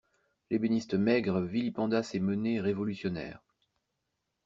L'ébéniste maigre vilipenda ces menées révolutionnaires.